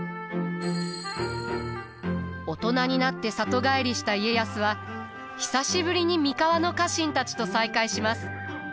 大人になって里帰りした家康は久しぶりに三河の家臣たちと再会します。